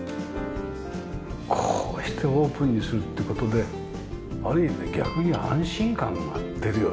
こうしてオープンにするって事である意味で逆に安心感が出るような感じもしますよね。